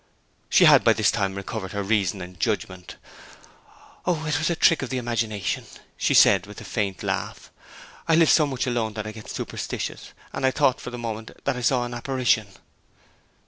She had by this time recovered her reason and judgment. 'O, it was a trick of the imagination,' she said, with a faint laugh. 'I live so much alone that I get superstitious and I thought for the moment I saw an apparition.'